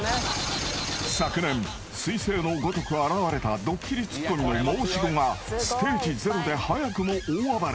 ［昨年彗星のごとく現れたドッキリツッコミの申し子がステージ０で早くも大暴れ］